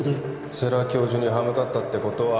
世良教授に歯向かったってことは